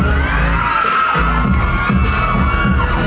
ไม่ต้องถามไม่ต้องถาม